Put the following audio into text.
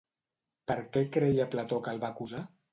Per què creia Plató que el va acusar?